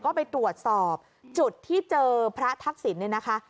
ก็ไปตรวจสอบจุดที่เจอพระทักษิณเนี่ยนะคะ